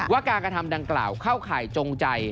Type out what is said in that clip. ว่าการกระทำดังกล่าวเข้าข่ายจงใจ